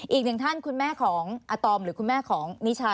อีกหนึ่งท่านคุณแม่ของอาตอมหรือคุณแม่ของนิชา